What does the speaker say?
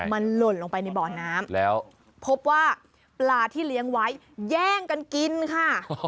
มันหล่นลงไปในบ่อน้ำแล้วพบว่าปลาที่เลี้ยงไว้แย่งกันกินค่ะ